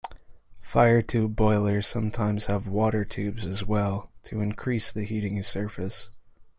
Fire-tube boilers sometimes have water-tubes as well, to increase the heating surface.